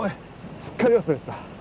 すっかり忘れてた。